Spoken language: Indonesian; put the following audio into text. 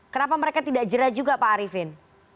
kenapa mereka tidak jera juga pak arifin